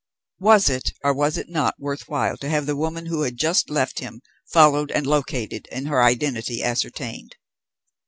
Was it, or was it not, worth while to have the woman who had just left him followed and located, and her identity ascertained?